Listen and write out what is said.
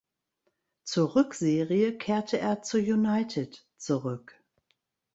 Zur Rückserie kehrte er zu "United" zurück.